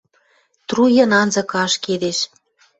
Труен анзыкы ашкедеш...